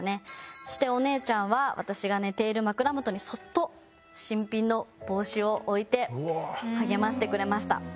そしてお姉ちゃんは私が寝ている枕元にそっと新品の帽子を置いて励ましてくれました。